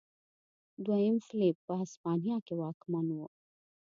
دویم فلیپ په هسپانیا کې واکمن و.